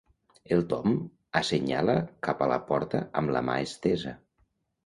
El Tom assenyala cap a la porta amb la mà estesa.